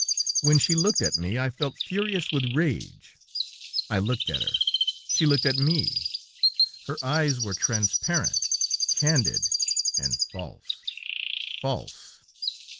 When she looked at me, I felt furious with rage. I looked at her ... she looked at me! Her eyes were transparent, candid ... and false, false!